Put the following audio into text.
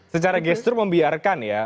secara gestur membiarkan ya